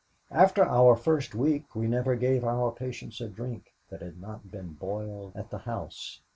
After our first week we never gave our patients a drink that had not been boiled at the house.